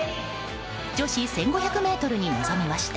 女子１５００ｍに臨みました。